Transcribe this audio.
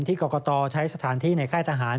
กรกตใช้สถานที่ในค่ายทหาร